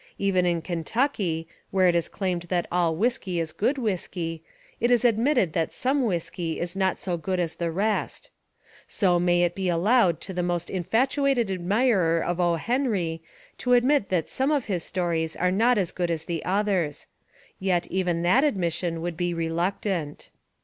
Even In Kentucky, where It is claimed that all whiskey Is good whiskey, it Is admitted that some whiskey Is not so good as the rest. So It may be allowed to the most Infatuated admirer of O. Henry, to admit that some of his stories are not as good as the others. Yet even that admission would be reluctant.